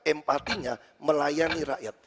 empatinya melayani rakyat